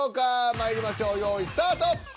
まいりましょう用意スタート。